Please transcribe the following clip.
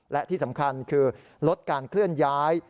และที่สำคัญคือลดการเคลื่อนย้าย